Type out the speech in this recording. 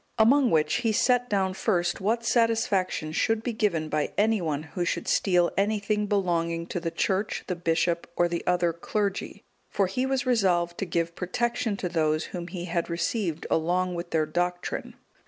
Among which, he set down first what satisfaction should be given by any one who should steal anything belonging to the Church, the bishop, or the other clergy, for he was resolved to give protection to those whom he had received along with their doctrine.